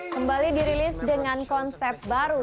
kembali dirilis dengan konsep baru